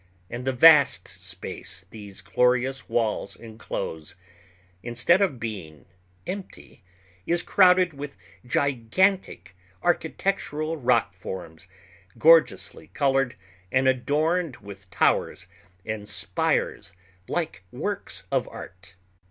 And the vast space these glorious walls enclose, instead of being empty, is crowded with gigantic architectural rock forms gorgeously colored and adorned with towers and spires like works of art.